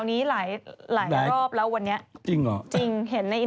นี่เห็นข่าวนี้หลายเรื่องครอบส์แล้ววันนี้